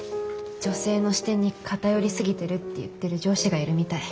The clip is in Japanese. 「女性の視点に偏り過ぎてる」って言ってる上司がいるみたい。